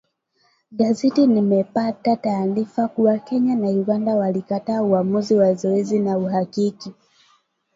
Gazeti limepata taarifa kuwa Kenya na Uganda walikataa uamuzi wa zoezi la uhakiki